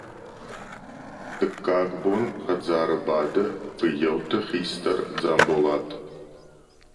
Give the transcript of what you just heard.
Дыккаг бон хӕдзары бады фыййӕутты хистӕр Дзамболат.